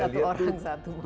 hampir satu orang satu motor